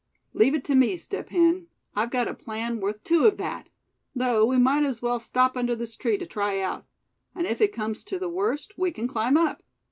"Leave it to me, Step Hen; I've got a plan worth two of that; though we might as well stop under this tree to try out; and if it comes to the worst we can climb up.